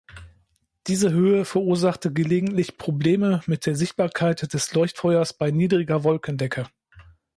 Diese Höhe verursachte gelegentlich Probleme mit der Sichtbarkeit des Leuchtfeuers bei niedriger Wolkendecke.